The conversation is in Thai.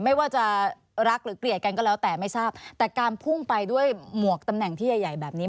ไม่ว่าจะรักหรือเกลียดกันก็แล้วแต่ไม่ทราบแต่การพุ่งไปด้วยหมวกตำแหน่งที่ใหญ่ใหญ่แบบนี้